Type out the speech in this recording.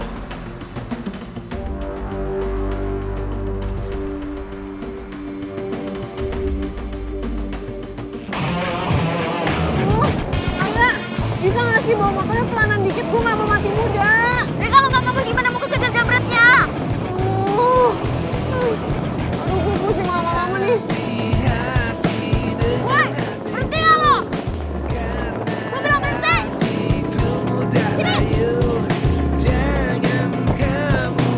anak bisa gak sih bawa motornya pelanan dikit